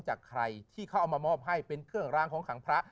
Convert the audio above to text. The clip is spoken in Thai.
จากใครที่เขาเอามามอบให้เป็นเครื่องรางของขังพระ